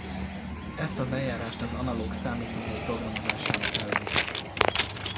Ezt az eljárást az analóg számítógép programozásának nevezik.